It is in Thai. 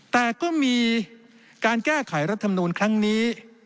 แต่ก็มีการแก้ไขรัฐมนูลครั้งนี้